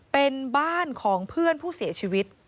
เป็นบ้านของเพื่อนผู้เสียชีวิต